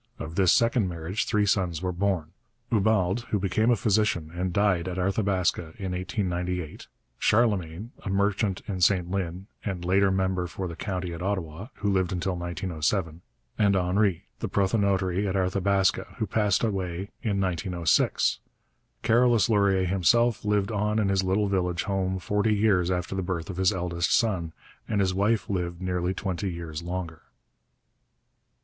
Of this second marriage three sons were born: Ubalde, who became a physician and died at Arthabaska in 1898; Charlemagne, a merchant in St Lin and later member for the county at Ottawa, who lived until 1907; and Henri, the prothonotary at Arthabaska, who passed away in 1906. Carolus Laurier himself lived on in his little village home forty years after the birth of his eldest son, and his wife lived nearly twenty years longer.